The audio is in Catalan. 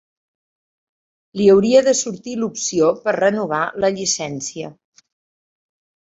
Li hauria de sortir l'opció per renovar la llicència.